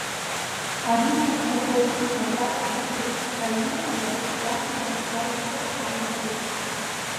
Ари дсаҳәшьаԥоуп, макьана дқәыԥшуп ҳәа ирмариан иацәажәара шзалымшозгьы ааинырит.